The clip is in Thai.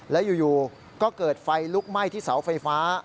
แล้วอยู่ก็เกิดไฟลุกไหม้ที่เสาไฟฟ้า